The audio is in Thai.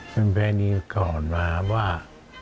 เป็นแปลนี้ต้องค่อนคนว่า